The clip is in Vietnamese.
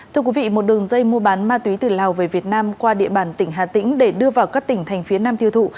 thưa quý vị một đường dây mua bán ma túy từ lào về việt nam qua địa bàn tỉnh hà tĩnh để đưa vào các tỉnh thành phía nam tiêu thụ